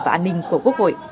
và an ninh của quốc hội